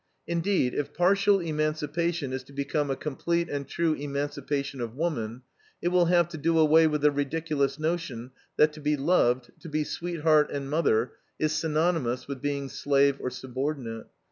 Indeed, if partial emancipation is to become a complete and true emancipation of woman, it will have to do away with the ridiculous notion that to be loved, to be sweetheart and mother, is synonymous with being slave or subordinate.